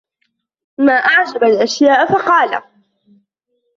مَا أَعْجَبُ الْأَشْيَاءِ ؟ فَقَالَ